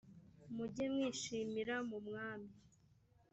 mujye mwishimira mu mwami